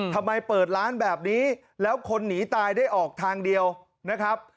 เปิดร้านแบบนี้แล้วคนหนีตายได้ออกทางเดียวนะครับ